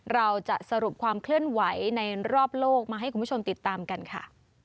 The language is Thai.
เราจะสรุปความเคลื่อนไหวในรอบโลกมาให้คุณผู้ชมติดตามกันค่ะ